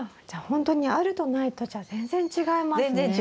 じゃあほんとにあるとないとじゃ全然違いますね。